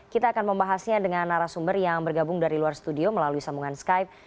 kita akan membahasnya dengan narasumber yang bergabung dari luar studio melalui sambungan skype